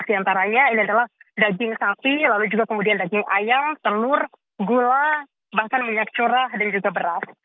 di antaranya ini adalah daging sapi lalu juga kemudian daging ayam telur gula bahkan minyak curah dan juga beras